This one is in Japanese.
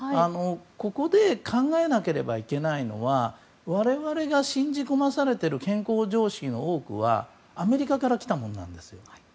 ここで考えなきゃいけないのは我々が信じ込まされてる健康常識の多くはアメリカから来たものなんです。